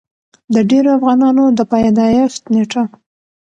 د ډېرو افغانانو د پېدايښت نيټه